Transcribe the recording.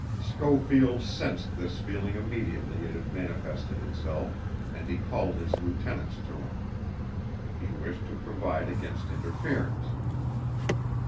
Schofield sensed this feeling immediately it had manifested itself, and he called his lieutenants to him. He wished to provide against interference.